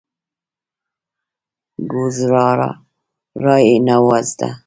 ګوزارا یې نه وه زده.